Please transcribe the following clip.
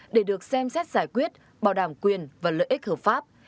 để được xem xét giải quyết bảo đảm quyền và lợi ích hợp pháp